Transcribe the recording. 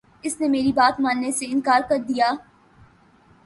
اس نے میری بات ماننے سے انکار کر دیا